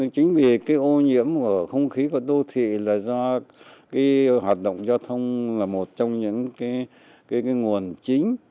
chính vì ô nhiễm của không khí và đô thị là do hoạt động giao thông là một trong những nguồn chính